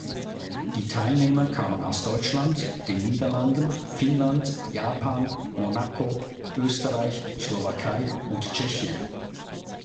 Die Teilnehmer kamen aus Deutschland, den Niederlanden, Finnland, Japan, Monaco, Österreich, Slowakei und Tschechien.